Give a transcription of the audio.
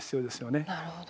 なるほど。